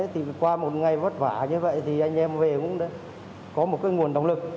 thì qua một ngày vất vả như vậy thì anh em về cũng đã có một cái nguồn động lực